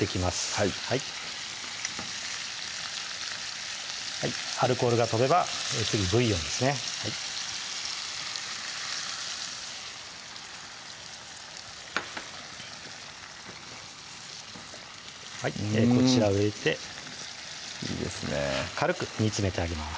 はいアルコールが飛べば次ブイヨンですねこちらを入れていいですね軽く煮詰めてあげます